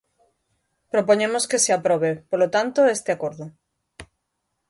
Propoñemos que se aprobe, polo tanto, este acordo.